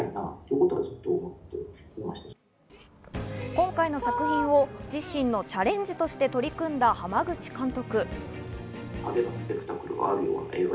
今回の作品を自身のチャレンジとして取り組んだ濱口監督。